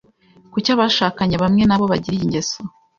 Kuki abashakanye bamwe nabo bagira iyi ngeso?